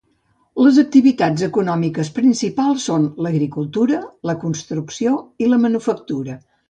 Les activitats econòmiques principals són l'agricultura, la construcció i la manufactura.